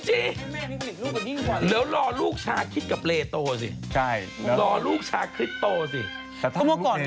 เหลือรอลูกชาคิดกับเลโตสิ